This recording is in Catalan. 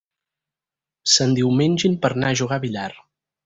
S'endiumengin per anar a jugar a billar.